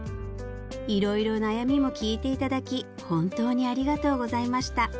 「いろいろ悩みも聞いていただき本当にありがとうございました‼